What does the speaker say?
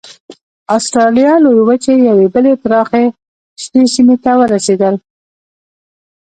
اسټرالیا لویې وچې یوې بلې پراخې شنې سیمې ته ورسېدل.